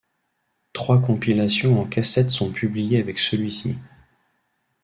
Trois compilations en cassette sont publiées avec celui-ci.